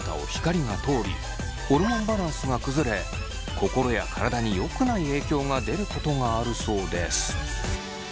ホルモンバランスが崩れ心や体に良くない影響が出ることがあるそうです。